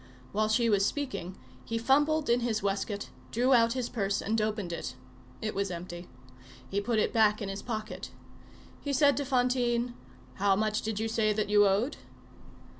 While she was speaking, he fumbled in his waistcoat, drew out his purse and opened it. It was empty. He put it back in his pocket. He said to Fantine, "How much did you say that you owed?"